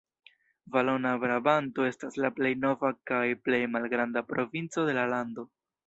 Valona Brabanto estas la plej nova kaj plej malgranda provinco de la lando.